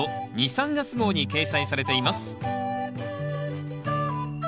・３月号に掲載されています。